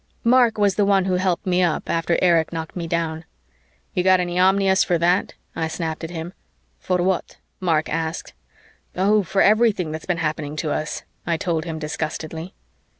Mark was the one who helped me up after Erich knocked me down. "You got any omnias for that?" I snapped at him. "For what?" Mark asked. "Oh, for everything that's been happening to us," I told him disgustedly.